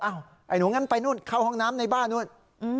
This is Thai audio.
ไอ้หนูงั้นไปนู่นเข้าห้องน้ำในบ้านนู้น